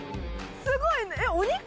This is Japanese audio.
すごいえ？